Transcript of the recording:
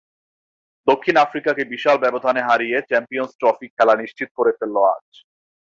দক্ষিণ আফ্রিকাকে বিশাল ব্যবধানে হারিয়ে চ্যাম্পিয়নস ট্রফি খেলা নিশ্চিত করে ফেলল আজ।